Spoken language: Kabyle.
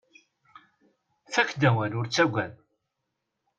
Fakk-d awal ur ttagad.